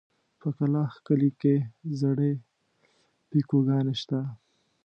په کلاخ کلي کې زړې پيکوگانې شته.